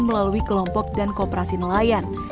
melalui kelompok dan kooperasi nelayan